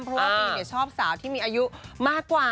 เพราะว่าฟิล์ชอบสาวที่มีอายุมากกว่า